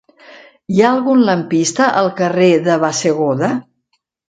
Hi ha algun lampista al carrer de Bassegoda?